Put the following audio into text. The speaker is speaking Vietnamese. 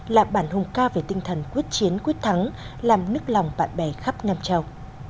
là bản hùng cao về tinh thần quyết chiến quyết thắng làm nức lòng bạn bè khắp nam châu